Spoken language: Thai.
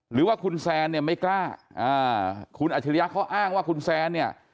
หรือว่าคุณแซนเนี่ยไม่กล้าอ่าคุณอัจฉริยะเขาอ้างว่าคุณแซนเนี่ย